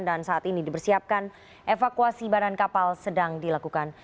dan saat ini dibersiapkan evakuasi badan kapal sedang dilakukan